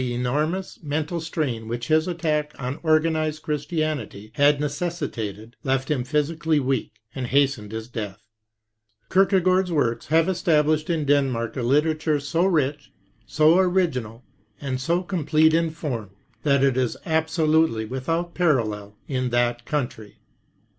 The enormous mental strain which his attack on organized Christianity had necessitated left him physically weak, and hastened his death. Kierkegaard's works have es tablished in Denmark a literature so rich, so original, and so complete in form that it is absolutely with out parallel in that country.